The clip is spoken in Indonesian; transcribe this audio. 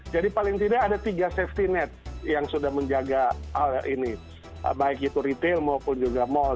jadi paling tidak ada tiga safety net yang sudah menjaga hal ini baik itu retail maupun juga mall